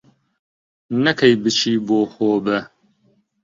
نەکەی بچی بۆ هۆبە